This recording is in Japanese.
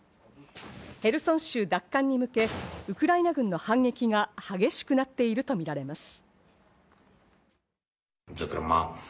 ヘルソン州奪還に向け、ウクライナ軍の反撃が激しくなっているとみられます。